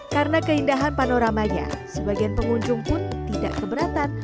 karena keindahan panoramanya sebagian pengunjung pun tidak keberatan